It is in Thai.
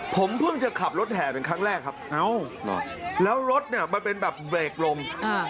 ผมเพิ่งจะขับรถแห่เป็นครั้งแรกครับแล้วรถเนี่ยมันเป็นแบบเบรกลม